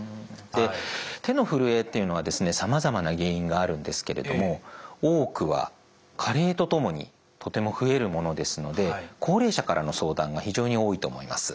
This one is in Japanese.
で手のふるえっていうのはさまざまな原因があるんですけれども多くは加齢とともにとても増えるものですので高齢者からの相談が非常に多いと思います。